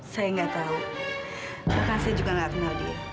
saya nggak tahu maka saya juga nggak kenal dia